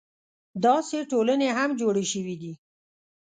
داسې ټولنې هم جوړې شوې دي.